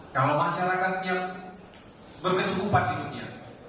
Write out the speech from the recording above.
kalau masyarakat tiap berkecumpan hidupnya